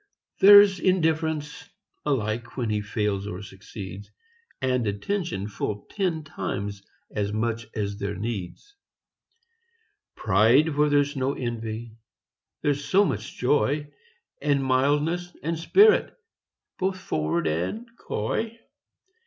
There's indifference, alike when he fails or succeeds, And attention full ten times as much as there needs; 10 Pride where there's no envy, there's so much of joy; And mildness, and spirit both forward and coy.